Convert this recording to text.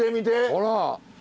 ほら！